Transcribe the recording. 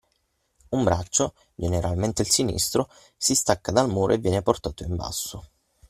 Un braccio, generalemente il sinistro, si stacca dal muro e viene portato in basso